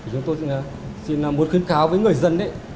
chúng tôi xin một khuyến kháo với người dân